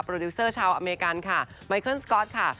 ดิวเซอร์ชาวอเมริกันค่ะไมเคิลสก๊อตค่ะ